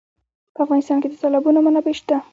په افغانستان کې د تالابونه منابع شته.